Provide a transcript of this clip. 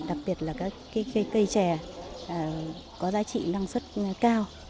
đặc biệt là cây trẻ có giá trị năng suất cao